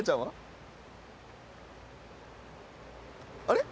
あれ？